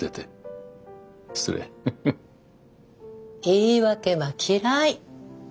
言い訳は嫌い。